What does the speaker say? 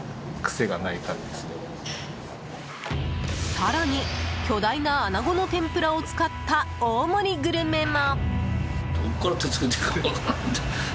更に、巨大なアナゴの天ぷらを使った大盛りグルメも！